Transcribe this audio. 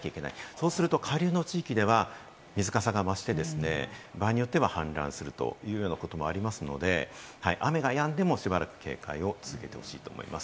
そうすると下流の地域では、水かさが増して、場合によっては氾濫するといったようなこともありますので、雨がやんでもしばらく警戒を続けてほしいと思います。